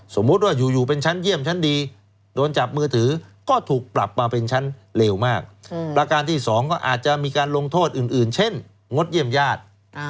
สมมุติว่าอยู่เป็นชั้นเยี่ยมชั้นดีโดนจับมือถือก็ถูกปรับมาเป็นชั้นเลวมากประการที่สองก็อาจจะมีการลงโทษอื่นเช่นงดเยี่ยมญาติ